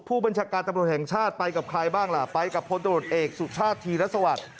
ผู้บัญชาการตำรวจแห่งชาติไปกับใครบ้างล่ะไปกับพลตรวจเอกสุชาติธีรสวัสดิ์